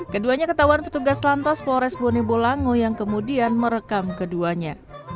keduanya ketahuan petugas lantas flores bonebolango yang kemudian merekam keduanya